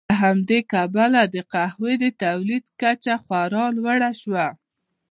له همدې کبله د قهوې د تولید کچه خورا لوړه شوه.